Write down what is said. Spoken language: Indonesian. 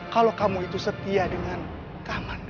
kalau kamu itu setia dengan keamanan